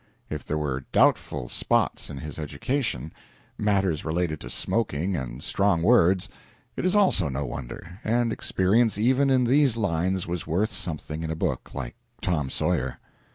If there were doubtful spots in his education matters related to smoking and strong words it is also no wonder, and experience even in these lines was worth something in a book like Tom Sawyer.